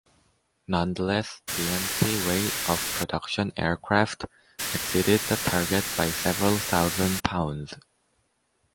Nonetheless, the empty weight of production aircraft exceeded the target by several thousand pounds.